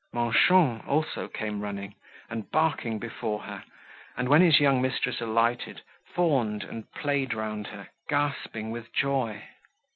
Manchon also came running, and barking before her; and when his young mistress alighted, fawned, and played round her, gasping with joy.